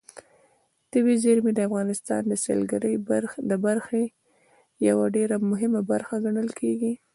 طبیعي زیرمې د افغانستان د سیلګرۍ د برخې یوه ډېره مهمه برخه ګڼل کېږي.